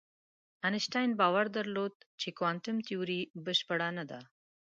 انشتین باور درلود چې کوانتم تیوري بشپړه نه ده.